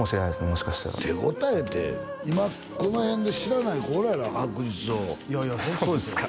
もしかしたら手応えって今この辺で知らない子おらんやろ「白日」をいやいやホントそうですよ